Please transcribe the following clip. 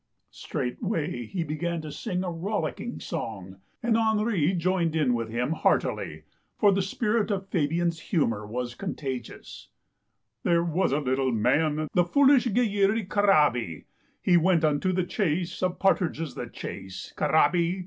Straightway he began to sing a rollicking song, and Henri joined in with him heartily, for the spirit of Fabian's humour was contagious :" There was a little man, The foolish Guilleri Carabi. He went unto the chase, Of partridges the chase. Carabi.